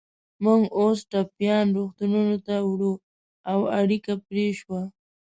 موږ اوس ټپیان روغتونونو ته وړو، او اړیکه پرې شوه.